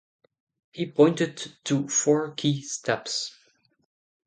He points to four key steps.